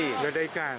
nggak ada ikan